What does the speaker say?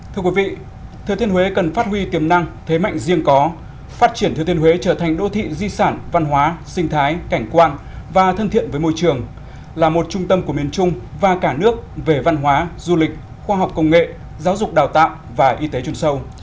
thưa quý vị thừa thiên huế cần phát huy tiềm năng thế mạnh riêng có phát triển thừa thiên huế trở thành đô thị di sản văn hóa sinh thái cảnh quan và thân thiện với môi trường là một trung tâm của miền trung và cả nước về văn hóa du lịch khoa học công nghệ giáo dục đào tạo và y tế chung sâu